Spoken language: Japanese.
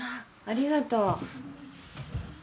ありがとう。